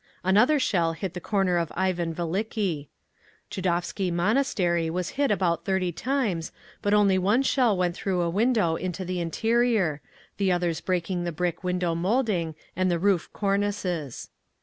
Another shell hit the corner of Ivan Veliki. Tchudovsky Monastery was hit about thirty times, but only one shell went through a window into the interior, the others breaking the brick window moulding and the roof cornices.